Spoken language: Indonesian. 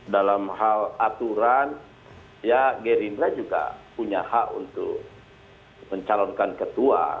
dalam hal aturan ya gerindra juga punya hak untuk mencalonkan ketua